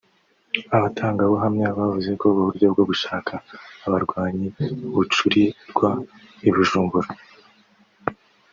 Abatangabuhamya bavuze ko uburyo bwo gushaka abarwanyi bucurirwa i Bujumbura